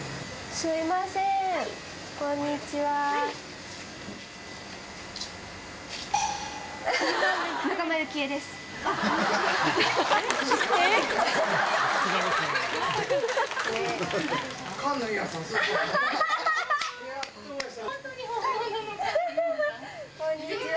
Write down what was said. すみません、こんにちは。